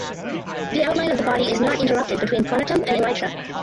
The outline of the body is not interrupted between pronotum and elytra.